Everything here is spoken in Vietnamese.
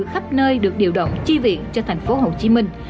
khắp nơi được điều động chi viện cho thành phố hồ chí minh